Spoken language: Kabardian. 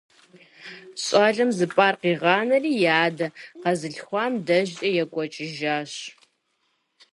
Щӏалэм зыпӏар къигъанэри и адэ къэзылъхуам дежкӏэ екӏуэкӏыжащ.